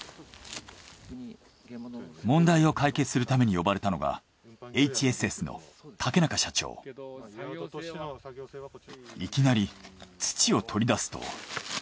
問題を解決するために呼ばれたのがいきなり土を取り出すと。